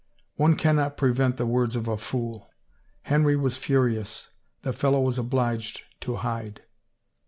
" One cannot prevent the words of a fool ! Henry was furious. The fellow was obliged to hide."